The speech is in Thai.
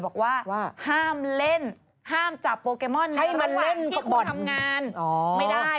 บอกว่าห้ามเล่นห้ามจับโปรแกโมนในระหว่างที่คุณทำงานไม่ได้